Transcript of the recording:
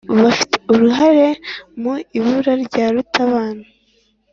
bafite uruhare mu ibura rya rutabana